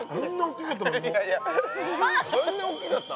そんな大きかった？